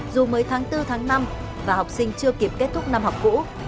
dù mới tháng bốn tháng năm và học sinh chưa kịp kết thúc năm học cũ